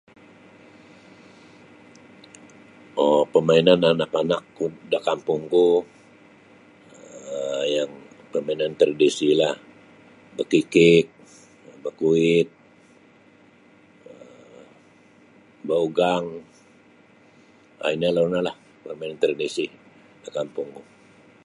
um pamainan anak-anakku da kampungku um yang permainan tradisilah bakikik bakuit um baugang um inolah no permain tradisi da kampungku.